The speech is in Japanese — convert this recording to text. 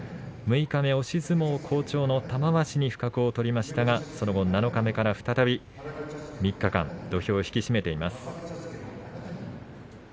六日目、押し相撲好調の玉鷲に不覚を取りましたがその後は七日目から再び３日間土俵を引き締めています。